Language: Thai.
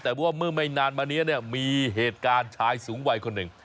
แต่ว่าเมื่อไม่นานมานี้เนี่ยมีเหตุการณ์ชายสูงวัยคนหนึ่ง